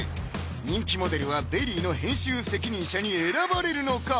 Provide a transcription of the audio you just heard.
人気モデルは「ＶＥＲＹ」の編集責任者に選ばれるのか？